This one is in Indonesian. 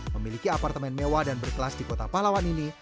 memiliki apartemen mewah dan berkelas di kota palawan ini